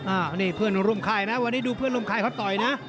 อันนี้เพื่อนร่วมค่ายนะวันนี้ดูเพื่อนร่วมค่ายเขาต่อยนะ